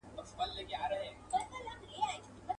هوسۍ ولاړه يوې ليري كنډوالې ته.